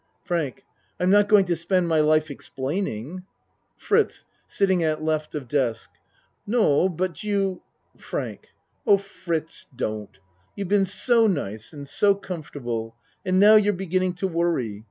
FRANK I'm not going to spend my life ex plaining. FRITZ (Sitting at L. of desk.) No but you FRANK Oh, Fritz, don't. You've been so nice and so comfortable. And now you're beginning to worry.